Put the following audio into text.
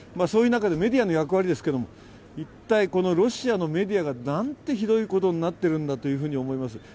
そういう中でメディアの役割ですけれども、一体ロシアのメディアがなんてひどいことになっているんだと思います。